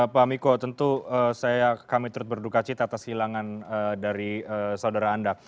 pak miko tentu kami terus berdukacit atas kehilangan dari saudara anda